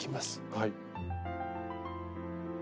はい。